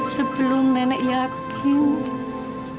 sebelum nenek yakin